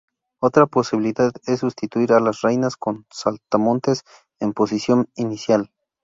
Otra posibilidad es sustituir a las reinas con saltamontes en posición inicial.